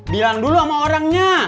bilang dulu sama orangnya